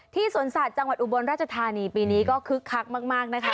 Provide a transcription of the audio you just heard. สวนสัตว์จังหวัดอุบลราชธานีปีนี้ก็คึกคักมากนะคะ